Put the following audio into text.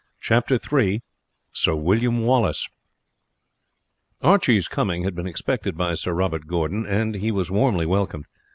Chapter III Sir William Wallace Archie's coming had been expected by Sir Robert Gordon, and he was warmly welcomed.